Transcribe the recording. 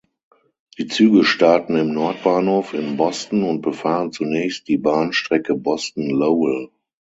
Die Züge starten im Nordbahnhof in Boston und befahren zunächst die Bahnstrecke Boston–Lowell.